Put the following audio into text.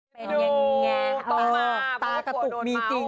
เป็นไงต่อตากระตุกมีจริง